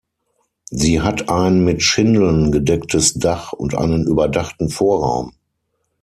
Sie hat ein mit Schindeln gedecktes Dach und einen überdachten Vorraum.